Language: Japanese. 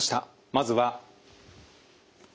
まずは。